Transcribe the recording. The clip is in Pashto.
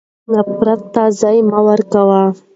نفرت ته ځای مه ورکوئ.